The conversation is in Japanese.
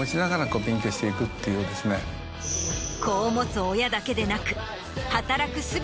子を持つ親だけでなく。